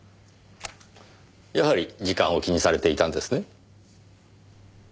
やはり時間を気にされていたんですね？